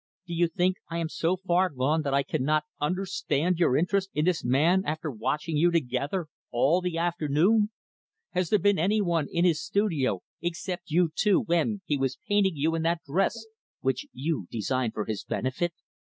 Do you think I am so far gone that I cannot understand your interest in this man, after watching you, together, all the afternoon? Has there been any one in his studio, except you two, when he was painting you in that dress which you designed for his benefit?